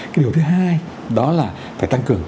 cái điều thứ hai đó là phải tăng cường